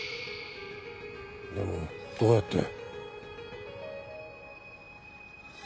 でもどうやって？